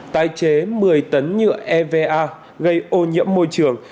tái chế một mươi tấn nhựa eva gây ô nhiễm môi trường